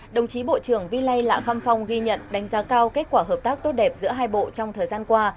đồng chí bộ trưởng vy lai lạc khăm phong ghi nhận đánh giá cao kết quả hợp tác tốt đẹp giữa hai bộ trong thời gian qua